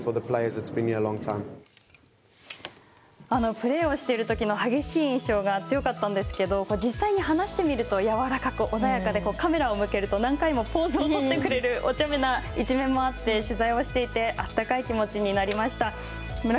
プレーをしているときの激しい印象が強かったんですけれども、実際に話してみると、柔らかく、穏やかで、カメラを向けると何回もポーズを取ってくれるおちゃめな一面もあって、取材をしていて、あったかい気持ちになりました。